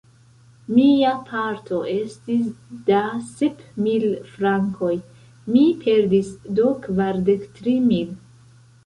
Mia parto estis da sep mil frankoj; mi perdis do kvardek tri mil.